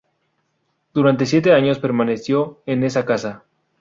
Durante siete años permaneció en esa casa.